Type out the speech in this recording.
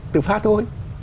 tự phát thôi